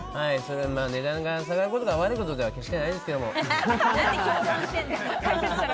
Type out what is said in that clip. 値段が下がることが悪いことでは決してないですけど。